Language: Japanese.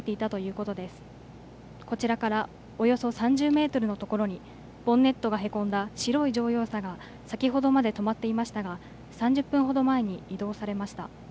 こちらからおよそ３０メートルのところにボンネットがへこんだ白い乗用車が先ほどまで止まっていましたが３０分ほど前に移動されました。